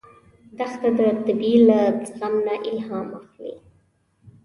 دښته د طبیعت له زغم نه الهام اخلي.